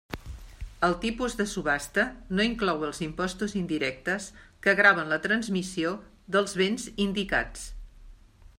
El tipus de subhasta no inclou els impostos indirectes que graven la transmissió dels béns indicats.